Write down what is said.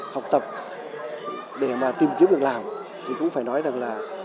học tập để mà tìm kiếm việc làm thì cũng phải nói rằng là